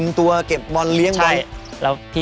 รวมตัวเก็บบอลเลี้ยงบอล